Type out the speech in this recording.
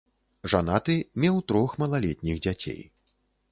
Жанаты, меў трох малалетніх дзяцей.